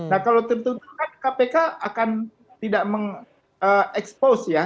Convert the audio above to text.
nah kalau tertutup kan kpk akan tidak mengekspos ya